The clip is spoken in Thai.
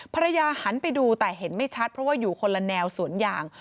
ภรรยาหันไปดูแต่เห็นไม่ชัดเพราะว่าอยู่คนละแนวสวนยาง